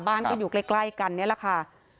บ้านก็อยู่ใกล้กันนี่แหละค่ะ